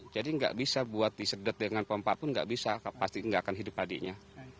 jadi nggak bisa buat disedot dengan pompa pun nggak bisa pasti nggak akan hidup padinya